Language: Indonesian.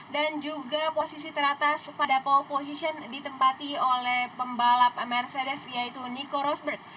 dan juga posisi teratas pada pole position ditempati oleh pembalap mercedes yaitu nico rosberg